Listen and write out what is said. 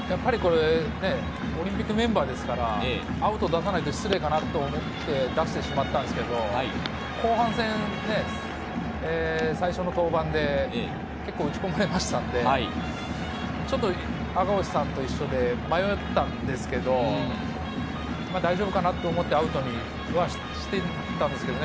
やっぱりオリンピックメンバーですからアウトを出さないと失礼かなと思って出したんですけど、後半戦、最初の登板で結構、打ち込まれましたので、ちょっと赤星さんと一緒で迷ったんですけど、大丈夫かなと思ってアウトにしていたんですけどね。